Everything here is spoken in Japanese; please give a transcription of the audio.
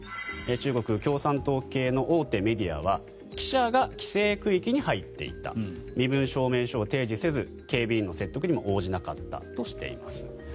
中国共産党系の大手メディアは記者が規制区域に入っていた身分証明書を提示せず警備員の説得にも応じなかったとしています。